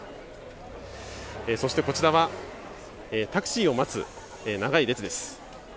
そしてこちらはタクシーを待つ長い列です。